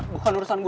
bukan urusan gue